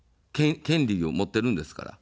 権利を持っているんですから。